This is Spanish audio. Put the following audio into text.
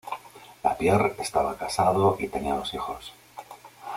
LaPierre estaba casado, y tenía dos hijos.